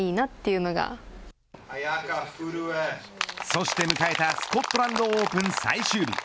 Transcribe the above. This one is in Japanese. そして迎えたスコットランドオープン最終日。